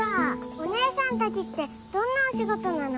お姉さんたちってどんなお仕事なの？